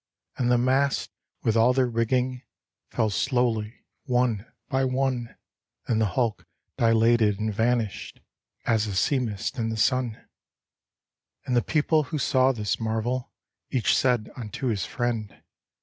And the masts, with all their rigging, Fell slowly, one by one, And the hulk dilated and vanished, As a sea mist in the sunl And the people who saw this marvel Each said unto his friend.